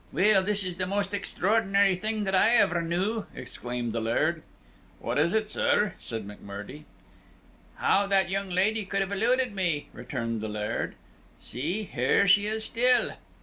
"Well, this is the most extraordinary thing that I ever knew!" exclaimed the Laird. "What is it, sir?" said M'Murdie. "How that young lady could have eluded me," returned the Laird. "See, here she is still!"